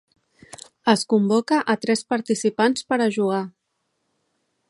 Es convoca a tres participants per a jugar.